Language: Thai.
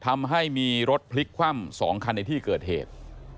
ทำให้มีรถพลิกคว่ำ๒คันในที่เกิดเหตุ